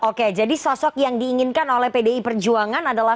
oke jadi sosok yang diinginkan oleh pdi perjuangan adalah